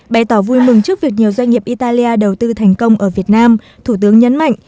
bày tỏ vui mừng trước việc nhiều doanh nghiệp italia đầu tư thành công ở việt nam thủ tướng nhấn mạnh